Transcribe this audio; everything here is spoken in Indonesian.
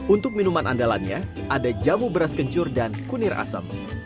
untuk minuman andalannya ada jamu beras kencur dan kunir asem